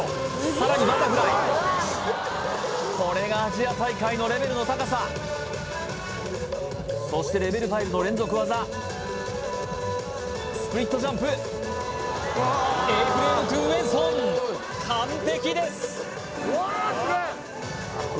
さらにバタフライこれがアジア大会のレベルの高さそしてレベル５の連続技スプリットジャンプＡフレームｔｏウェンソン完璧ですわあすげえ！